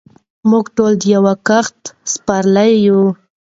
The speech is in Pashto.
موږ ټول د یوې کښتۍ سپرلۍ یو.